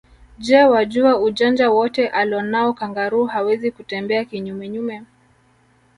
Je wajua ujanja wote alonao kangaroo hawezi kutembea kinyume nyume